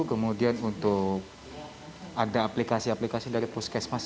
kemudian untuk ada aplikasi aplikasi dari puskesmas